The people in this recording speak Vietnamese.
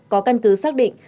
có căn cứ xác định